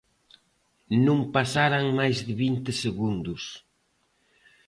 Non pasaran máis que vinte segundos.